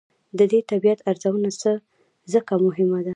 د دې طبیعت ارزونه ځکه مهمه ده.